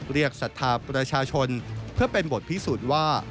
ศรัทธาประชาชนเพื่อเป็นบทพิสูจน์ว่า